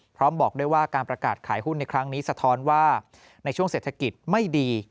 พร้อมบอกด้วยว่าการประกาศขายหุ้นในครั้งนี้สะท้อนว่าในช่วงเศรษฐกิจไม่ดี